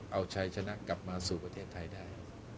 เอาชัยชนะกลับมาสู่ประเทศไทยได้